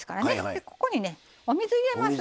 でここにねお水入れます。